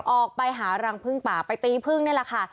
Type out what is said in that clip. ออกไปหารังพึ่งป่าไปตีพึ่งนี่แหละค่ะ